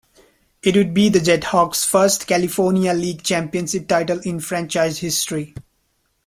It would be the JetHawks' first California League Championship title in franchise history.